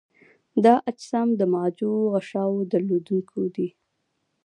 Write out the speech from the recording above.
دا اجسام د معوجو غشاوو درلودونکي دي.